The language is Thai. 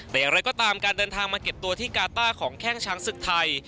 แต่อย่างไรก็ตามการเดินทางมาเก็บตัวที่กาต้าของแข้งช้างศึกไทย